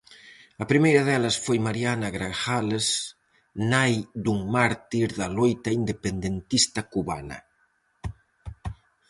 A primeira delas foi Mariana Grajales, nai dun mártir da loita independentista cubana.